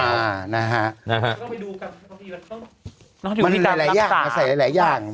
มันต้องไปดูกันมันต้องติดตามลัมตา